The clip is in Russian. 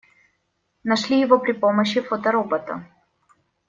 Нашли его при помощи фоторобота.